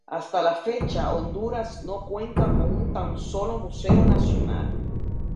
Hasta la fecha Honduras no cuenta con un tan solo museo nacional.